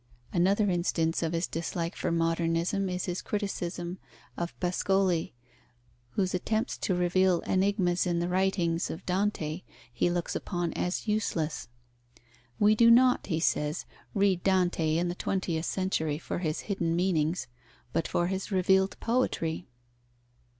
Another instance of his dislike for Modernism is his criticism of Pascoli, whose attempts to reveal enigmas in the writings of Dante he looks upon as useless. We do not, he says, read Dante in the twentieth century for his hidden meanings, but for his revealed poetry.